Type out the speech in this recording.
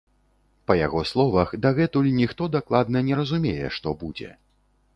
Па яго словах, дагэтуль ніхто дакладна не разумее, што будзе.